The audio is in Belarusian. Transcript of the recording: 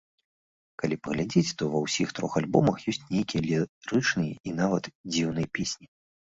Калі паглядзець, то ва ўсіх трох альбомах ёсць нейкія лірычныя і, нават, дзіўныя песні.